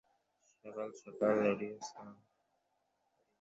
সকাল সকাল উঠিয়া স্নান করিয়া শশী তাহার কাছে যায়।